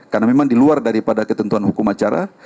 karena memang di luar dari ketentuan hukum acara